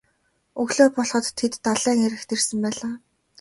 Өглөө болоход тэд далайн эрэгт ирсэн байлаа.